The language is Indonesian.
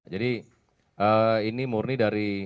jadi ini murni dari